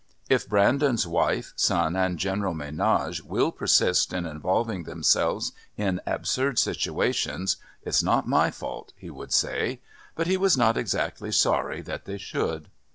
"If Brandon's wife, son, and general ménage will persist in involving themselves in absurd situations it's not my fault," he would say. But he was not exactly sorry that they should.